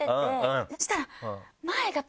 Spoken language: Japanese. そしたら。